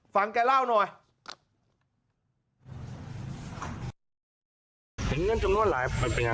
ฟังแกเล่าหน่อย